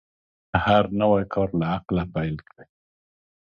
هر نوی کار له عقله پیل کړئ.